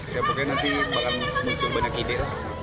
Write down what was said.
pokoknya nanti bakal muncul banyak ide